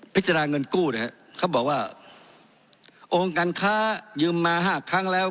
เงินกู้นะครับเขาบอกว่าองค์การค้ายืมมา๕ครั้งแล้ว